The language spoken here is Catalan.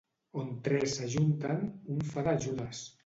On tres s'ajunten, un fa de Judes.